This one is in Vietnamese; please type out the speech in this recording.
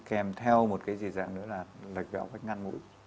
kèm theo một dị dạng nữa là lệch vẹo vách ngăn mũi